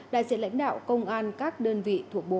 đại diện lãnh đạo công an các đơn vị thuộc bộ